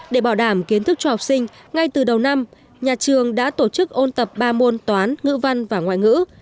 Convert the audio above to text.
để bảo đảm kiến thức cho học sinh ngay từ đầu năm nhà trường đã tổ chức ôn tập ba môn toán ngữ văn và ngoại ngữ